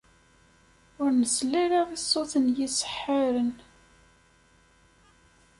Ur nsell ara i ṣṣut n yiseḥḥaren.